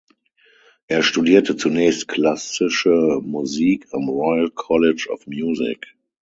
Er studierte zunächst klassische Musik am Royal College of Music.